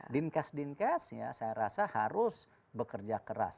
dinkes dinkes ya saya rasa harus bekerja keras